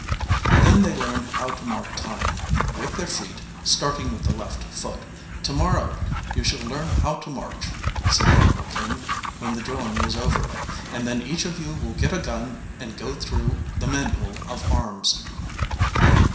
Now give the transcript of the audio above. Then they learned how to mark time "with their feet, starting with the left foot." "Tomorrow you shall learn how to march," said Corporal King when the drilling was over. "And then each of you will get a gun and go through the manual of arms."